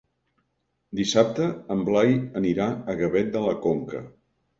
Dissabte en Blai anirà a Gavet de la Conca.